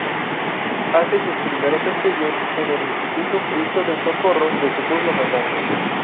Hace sus primeros estudios en el Instituto Cristo del Socorro de su pueblo natal.